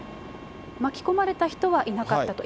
巻き込まれた人はいなかったと。